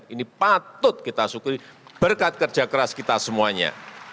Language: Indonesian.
ini patut kita syukuri berkat kerja keras kita semuanya